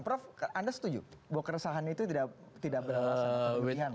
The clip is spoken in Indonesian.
prof anda setuju bahwa keresahan itu tidak beralasan